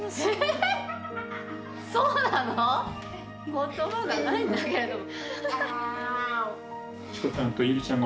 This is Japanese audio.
言葉がないんだけれども。